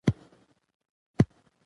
ویاړنه د فخر او افتخار مانا لري.